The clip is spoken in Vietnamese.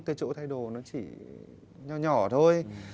cái chỗ thay đồ nó chỉ nhỏ nhỏ thôi